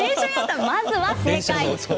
まずは正解。